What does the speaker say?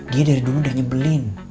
dia dari dulu udah nyebelin